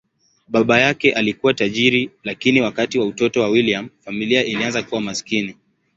Baba yake alikuwa tajiri, lakini wakati wa utoto wa William, familia ilianza kuwa maskini.